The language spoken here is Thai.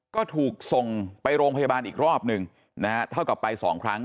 ก็ถูกส่งไปโรงพยาบาลอีกรอบหนึ่งนะฮะเท่ากับไปสองครั้ง